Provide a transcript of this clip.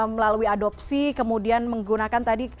melalui adopsi kemudian menggunakan tadi